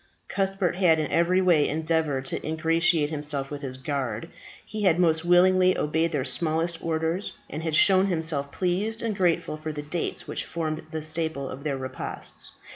Cuthbert had in every way endeavoured to ingratiate himself with his guard. He had most willingly obeyed their smallest orders, had shown himself pleased and grateful for the dates which formed the staple of their repasts.